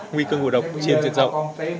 nguy cơ ngủ độc trên tuyệt vọng